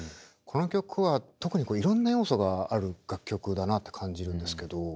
この曲は特にいろんな要素がある楽曲だなって感じるんですけど。